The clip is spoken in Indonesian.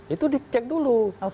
itu dicek dulu